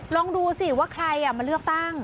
ลองดูสิว่าใครมาเลือกตั้ง